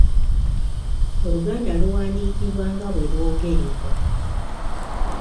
Oluganda luwandiikibwa nga bwe lwogerebwa.